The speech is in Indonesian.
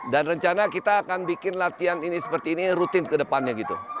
dan rencana kita akan bikin latihan ini seperti ini rutin ke depannya gitu